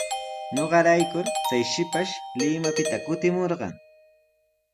Ñuqarayku chay shipash Limapita kutimurqan.